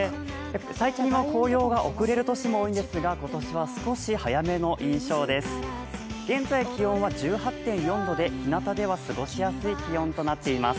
最近は紅葉が遅れる年も多いんですが、今年は少し早めの印象です。